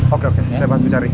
oke oke saya bantu cari